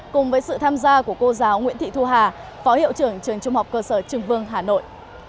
cùng với sự tham gia của cô giáo nguyễn thị thu hà phó hiệu trưởng trường trung học cơ sở trường vương hà nội